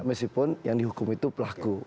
meskipun yang dihukum itu pelaku